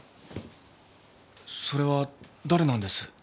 それは誰なんです？